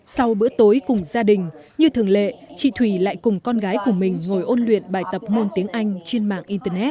sau bữa tối cùng gia đình như thường lệ chị thủy lại cùng con gái của mình ngồi ôn luyện bài tập môn tiếng anh trên mạng internet